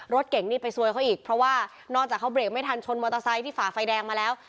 รถเก่งนี่ไปซวยเขาอีกเพราะว่านอกจากเขาเบรกไม่ทันชนมอเตอร์ไซค์ที่ฝ่าไฟแดงมาแล้ว